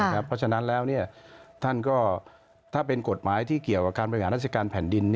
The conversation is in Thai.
เพราะฉะนั้นแล้วท่านก็ถ้าเป็นกฎหมายที่เกี่ยวกับการบริหารราชการแผ่นดิน